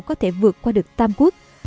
có thể vượt qua được tam quốc